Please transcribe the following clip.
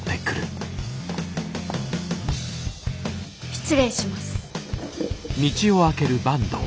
失礼します。